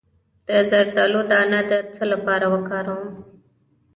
د زردالو دانه د څه لپاره وکاروم؟